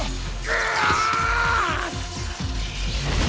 うわ！